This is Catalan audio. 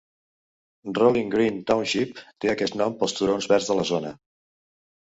Rolling Green Township té aquest nom pels turons verds de la zona.